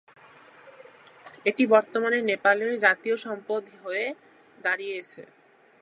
এটি বর্তমানে নেপালের জাতীয় সম্পদ হয়ে দাঁড়িয়েছে।